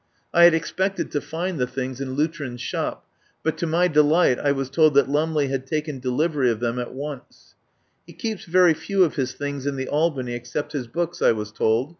I had expected to find the things in Lutrin's shop, but to my delight I was told that Lumley had taken delivery of them at once. "He keeps very few of his things in the Albany except his books," I was told.